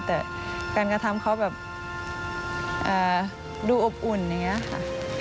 แต่การกระทำเขาแบบดูอบอุ่นอย่างนี้ค่ะ